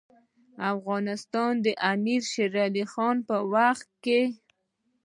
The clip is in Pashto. افغانستان د امیر شیرعلي خان په وخت کې.